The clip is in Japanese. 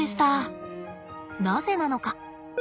なぜなのか。